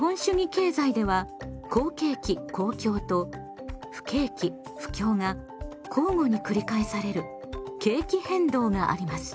経済では好景気と不景気が交互に繰り返される景気変動があります。